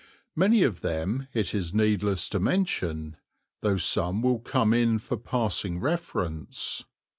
Many of them it is needless to mention, though some will come in for passing reference.